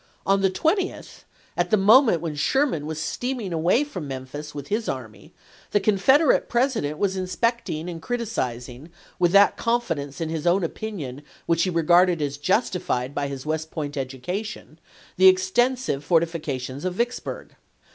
On the 20th, at the moment when Sherman was steaming away from Memphis with his army, the Confederate President was inspecting and criticizing, with that confidence in his own opinion which he regarded as justified by his West Point education, the extensive fortifications of Vicksburg.